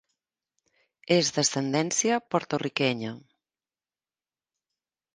És d'ascendència porto-riquenya.